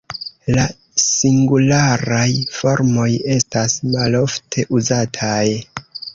La singularaj formoj estas malofte uzataj.